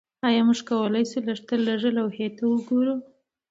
ایا موږ کولی شو لږترلږه لوحې ته وګورو